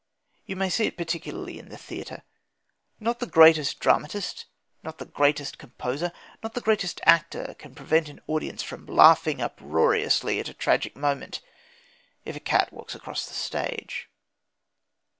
You may see it particularly in the theatre. Not the greatest dramatist, not the greatest composer, not the greatest actor can prevent an audience from laughing uproariously at a tragic moment if a cat walks across the stage.